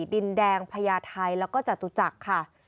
ดินแดงพญาไทยแล้วก็จตุจักรค่ะ